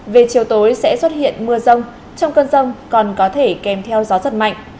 về chiều tối sẽ xuất hiện mưa rông trong cơn rông còn có thể kèm theo gió giật mạnh